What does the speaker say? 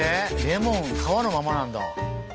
レモン皮のままなんだ。